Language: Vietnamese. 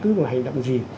chứ không có hành động gì